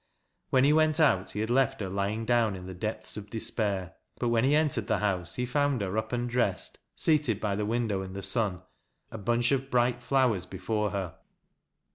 When he went out, he had left her lying down in the depths of despair, but when he entered the house, he found her up and dressed, seated by the window in the sun, a bunch of bright flowers before her.